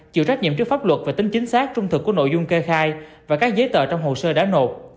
chịu trách nhiệm trước pháp luật về tính chính xác trung thực của nội dung kê khai và các giấy tờ trong hồ sơ đã nộp